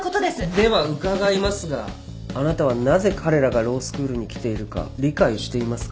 では伺いますがあなたはなぜ彼らがロースクールに来ているか理解していますか？